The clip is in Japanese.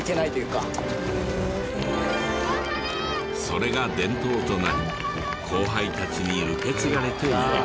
それが伝統となり後輩たちに受け継がれている。